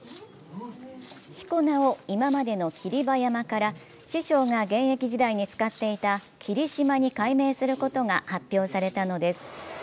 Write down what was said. しこ名を、今までの霧馬山から師匠が現役時代に使っていた霧島に改名することが発表されたのです。